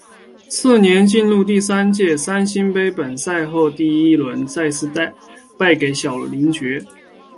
次年进入第三届三星杯本赛后第一轮再次败给小林觉。